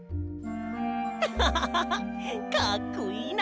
アハハハハッかっこいいな！